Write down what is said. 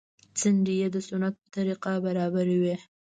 څنډې يې د سنت په طريقه برابرې وې.